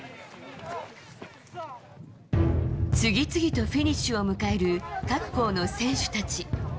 次々とフィニッシュを迎える各校の選手たち。